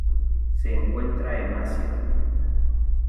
Se encuentra en Asia.